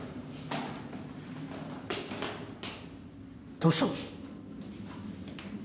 どうしたの？